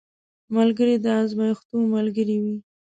ملګری د ازمېښتو ملګری وي